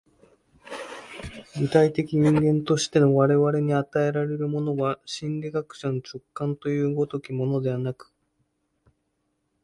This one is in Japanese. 具体的人間としての我々に与えられるものは、心理学者の直覚という如きものではなく、